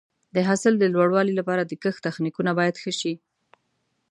د حاصل د لوړوالي لپاره د کښت تخنیکونه باید ښه شي.